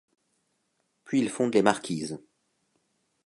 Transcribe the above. Puis il fonde Les Marquises.